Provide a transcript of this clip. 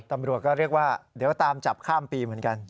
ตำรวจก็เรียกว่าเดี๋ยวตามจับข้ามปีเหมือนกัน